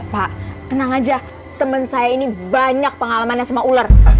pak tenang aja temen saya ini banyak pengalamannya sama ular